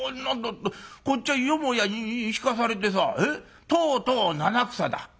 こっちはよもやに引かされてさとうとう七草だ。